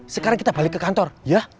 sekarang kita balik ke kantor ya